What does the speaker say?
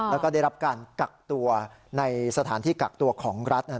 แล้วก็ได้รับการกักตัวในสถานที่กักตัวของรัฐ